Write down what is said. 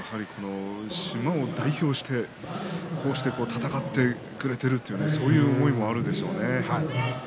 島を代表してこうして戦ってくれているというそういう思いもあるでしょうね。